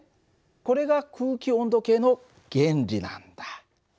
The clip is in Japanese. これが空気温度計の原理なんだ。